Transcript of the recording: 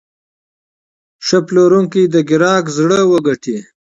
ښه پلورونکی د پیرودونکي زړه وګټي.